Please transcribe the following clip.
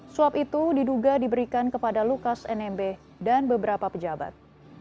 suap itu diduga diberikan kepada lukas nmb dan beberapa pejabat